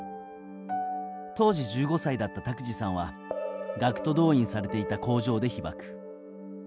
当時、１５歳だった拓治さんは学徒動員されていた工場で被爆。